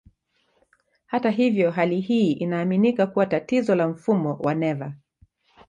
Hata hivyo, hali hii inaaminika kuwa tatizo la mfumo wa neva.